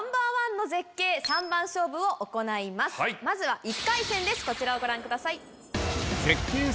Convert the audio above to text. まずは。